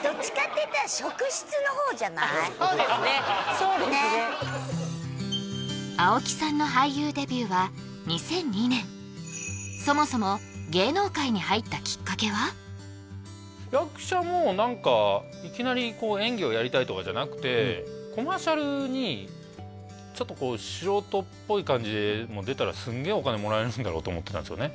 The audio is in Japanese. そうですねねえ青木さんの俳優デビューは２００２年そもそも役者も何かいきなり演技をやりたいとかじゃなくてコマーシャルにちょっとこう素人っぽい感じで出たらすげえお金もらえるんだろうと思ってたんですよね